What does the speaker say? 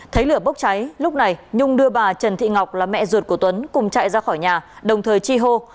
thấy lửa bốc cháy lúc này nhung đưa bà trần thị ngọc là mẹ ruột của tuấn cùng chạy ra khỏi nhà đồng thời chi hô